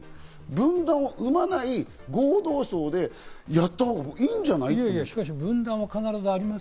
分断を生まない合同葬でやっとほうが僕はいいんじゃない？